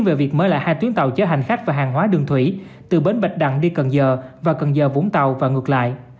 về việc mở lại hai tuyến tàu chở hành khách và hàng hóa đường thủy từ bến bạch đằng đi cần giờ và cần giờ vũng tàu và ngược lại